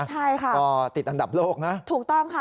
ใช่ค่ะก็ติดอันดับโลกนะถูกต้องค่ะ